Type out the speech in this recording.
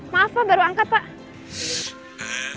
maaf pak baru angkat pak